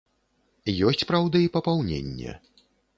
Ёсць, праўда, і папаўненне.